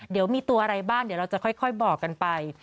เดี๋ยวมีตัวอะไรบ้างเดี๋ยวเราจะค่อยบอกกันไป